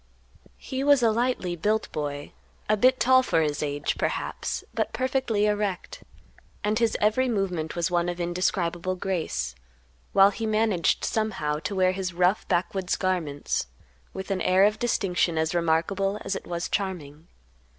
He was a lightly built boy; a bit tall for his age, perhaps, but perfectly erect; and his every movement was one of indescribable grace, while he managed, somehow, to wear his rough backwoods garments with an air of distinction as remarkable as it was charming.